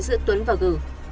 giữa tuấn và gờ